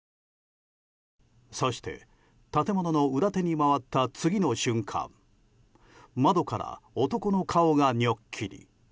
そして、建物の裏手に回った次の瞬間窓から男の顔がにょっきり。